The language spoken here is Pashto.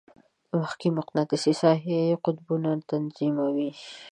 د مځکې مقناطیسي ساحه قطبونه تنظیموي.